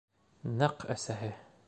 Нәҡ әсәһе.